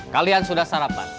kalian sudah sarapan